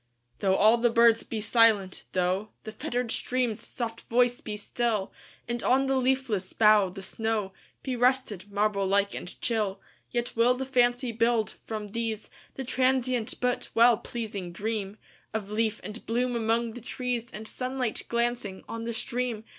Though all the birds be silent,—thoughThe fettered stream's soft voice be still, And on the leafless bough the snowBe rested, marble like and chill,—Yet will the fancy build, from these, The transient but well pleasing dreamOf leaf and bloom among the trees, And sunlight glancing on the stream.